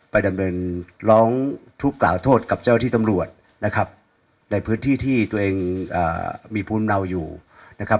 ดำเนินร้องทุกข์กล่าวโทษกับเจ้าที่ตำรวจนะครับในพื้นที่ที่ตัวเองมีภูมิเนาอยู่นะครับ